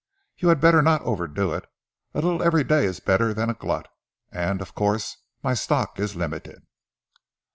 "You had better not overdo it. A little every day is better than a glut; and, of course, my stock is limited."